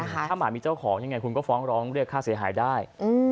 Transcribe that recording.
ถ้าหมามีเจ้าของยังไงคุณก็ฟ้องร้องเรียกค่าเสียหายได้